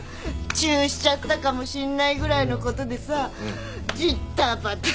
チューしちゃったかもしんないぐらいのことでさじたばたじたばたしちゃって。